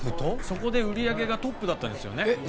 そこで売上がトップだったんですよねえっ